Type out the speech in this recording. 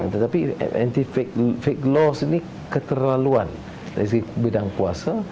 tetapi anti fake news ini keterlaluan dari segi bidang puasa